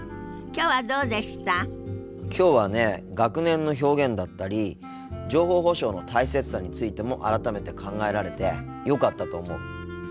きょうはね学年の表現だったり情報保障の大切さについても改めて考えられてよかったと思う。